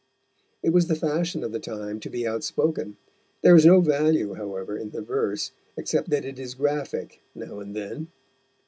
It was the fashion of the time to be outspoken. There is no value, however, in the verse, except that it is graphic now and then.